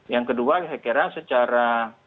yang kedua saya kira secara